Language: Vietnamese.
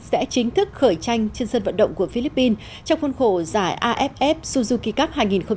sẽ chính thức khởi tranh trên sân vận động của philippines trong khuôn khổ giải aff suzuki cup hai nghìn một mươi chín